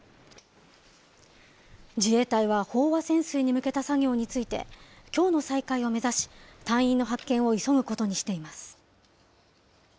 自衛隊は飽和潜水に向けた作業について、きょうの再開を目指し、隊員の発見を急ぐことにしています。